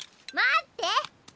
待って！